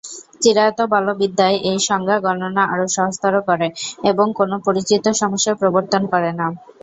চিরায়ত বলবিদ্যায়, এই সংজ্ঞা গণনা আরো সহজতর করে এবং কোন পরিচিত সমস্যার প্রবর্তন করে না।